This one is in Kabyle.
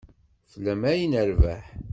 Fell-am ay nerbeḥ.